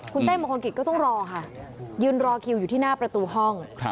คุณเต้มงคลกิจก็ต้องรอค่ะยืนรอคิวอยู่ที่หน้าประตูห้อง